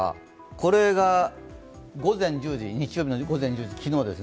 これが日曜の午前１０時、昨日です。